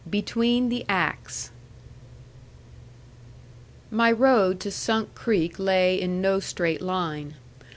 XIV. BETWEEN THE ACTS My road to Sunk Creek lay in no straight line.